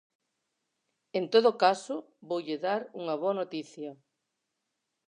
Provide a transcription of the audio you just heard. En todo caso, voulle dar unha boa noticia.